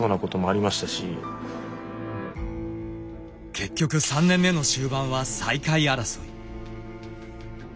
結局３年目の終盤は最下位争い。